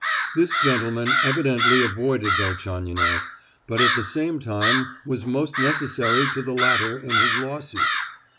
This gentleman evidently avoided Velchaninoff, but at the same time was most necessary to the latter in his lawsuit.